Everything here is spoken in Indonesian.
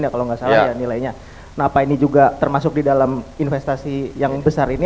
kalau nggak salah ya nilainya kenapa ini juga termasuk di dalam investasi yang besar ini